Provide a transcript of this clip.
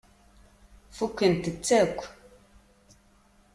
Fukkent-tt akk.